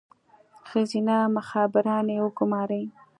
ښځینه مخبرانې وګوماري.